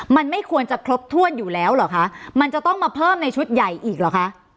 มันไม่ควรจะครบถ้วนอยู่แล้วเหรอคะมันจะต้องมาเพิ่มในชุดใหญ่อีกเหรอคะ